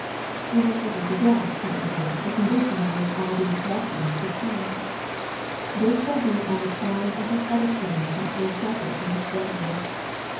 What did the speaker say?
We must never forget, however, the condition on which all these blessings depend. "They shall be on the crown of the head of him that was separate from his brethren."